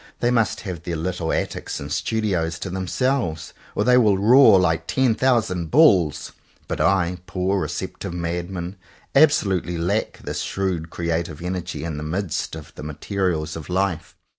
They must have their little attics and studios to them selves, or they will roar like ten thousand bulls. But I, poor receptive madman, absolutely lack this shrewd creative energy in the midst of the materials of life.